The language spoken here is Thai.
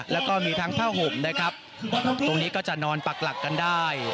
แล้วก็มีทั้งผ้าห่มนะครับตรงนี้ก็จะนอนปักหลักกันได้